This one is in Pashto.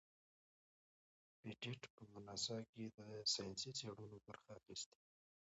پېټټ په ناسا کې د ساینسي څیړنو برخه اخیستې.